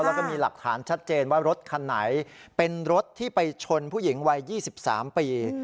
แล้วก็มีหลักฐานชัดเจนว่ารถคันไหนเป็นรถที่ไปชนผู้หญิงวัย๒๓ปี